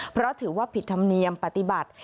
เพราะถือว่าผิดธรรมเนียมปฏิบัติ